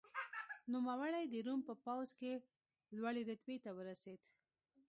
نوموړی د روم په پوځ کې لوړې رتبې ته ورسېد.